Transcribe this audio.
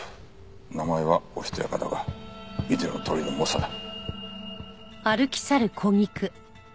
名前はおしとやかだが見てのとおりの猛者だ。